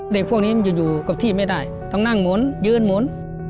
เด็กพวกนี้มันอยู่กับที่ไม่ได้ต้องนั่งหมุนยืนหมุน